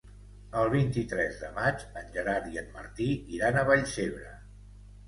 El vint-i-tres de maig en Gerard i en Martí iran a Vallcebre.